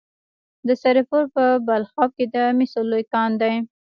د سرپل په بلخاب کې د مسو لوی کان دی.